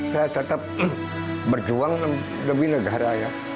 saya tetap berjuang demi negara ya